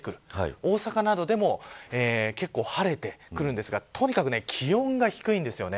大阪などでも結構、晴れてくるんですがとにかく気温が低いんです。